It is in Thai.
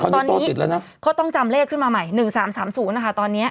ตอนนี้ตัวติดแล้วนะเขาต้องจำเลขขึ้นมาใหม่หนึ่งสามสามศูนย์นะคะตอนเนี้ย